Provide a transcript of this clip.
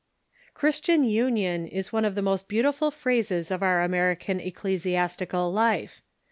Christian union is one of the most beautiful phases of our American ecclesiastical life.